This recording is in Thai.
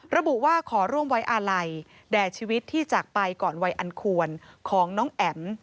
ระบุว่าขอร่วมไว้อาลัยแด่ชีวิตที่จากไปก่อนวัยอันควรของน้องแอ๋ม